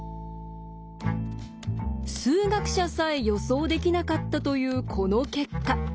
数学者さえ予想できなかったというこの結果。